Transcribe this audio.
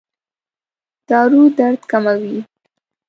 دارو درد کموي؟